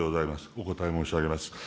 お答え申し上げます。